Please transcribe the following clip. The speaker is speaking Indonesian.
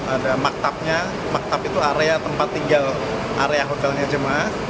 ada maktabnya maktab itu area tempat tinggal area hotelnya jemaah